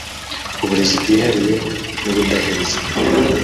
uburezi bwihariye n ubudaheza